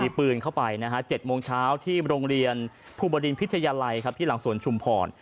มีปืนเข้าไปนะฮะ๗โมงเช้าที่โรงเรียนภูบดินพิทยาลัยครับที่หลังสวนชุมพร